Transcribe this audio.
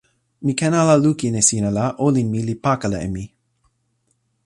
mi ken ala lukin e sina la olin mi li pakala e mi.